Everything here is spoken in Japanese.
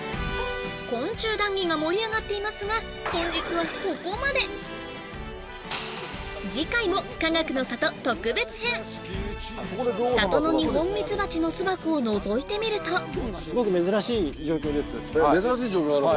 昆虫談義が盛り上がっていますが次回もかがくの里特別編里のニホンミツバチの巣箱をのぞいてみると・すごく珍しい状況です・珍しい状況なの？